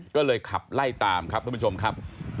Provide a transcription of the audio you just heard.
ก็เลยขับไล่ตามครับท่านผู้ชมครับ